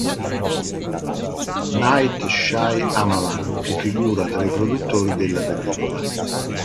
Night Shyamalan, che figura tra i produttori della pellicola.